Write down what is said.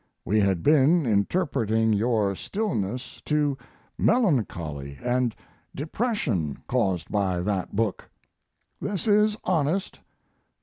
We had been interpreting your stillness to melancholy and depression, caused by that book. This is honest.